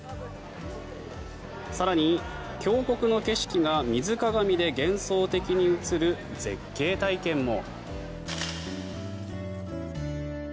更に、峡谷の景色が水鏡で幻想的に映る絶景体験も。